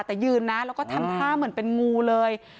แต่ยืนนะแล้วก็ทำท่าเหมือนเป็นงูเลย